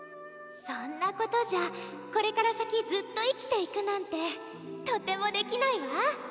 そんなことじゃこれから先ずっと生きていくなんてとてもできないわ。